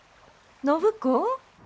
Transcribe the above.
暢子？